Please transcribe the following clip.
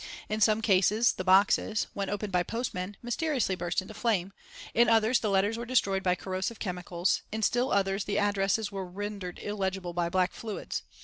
In some cases the boxes, when opened by postmen, mysteriously burst into flame; in others the letters were destroyed by corrosive chemicals; in still others the addresses were rendered illegible by black fluids.